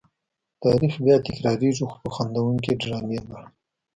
تاریخ بیا تکرارېږي خو په خندوونکې ډرامې بڼه.